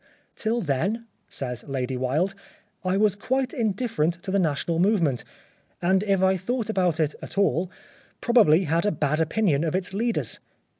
" Till then," says Lady Wilde, " I was quite indifferent to the National movement, and if I thought about it at all, probably had a bad opinion of its leaders.